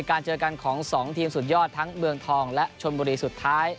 เจอกันของ๒ทีมสุดยอดทั้งเมืองทองและชนบุรีสุดท้าย